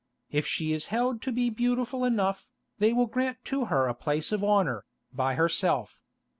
If she is held to be beautiful enough, they will grant to her a place of honour, by herself.